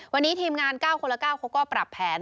วันนี้ทีมงาน๙คนละ๙เขาก็ปรับแผน